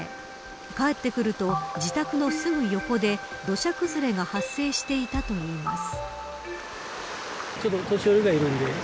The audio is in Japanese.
帰ってくると、自宅のすぐ横で土砂崩れが発生していたといいます。